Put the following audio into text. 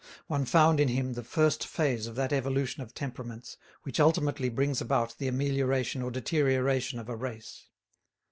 One found in him the first phase of that evolution of temperaments which ultimately brings about the amelioration or deterioration of a race.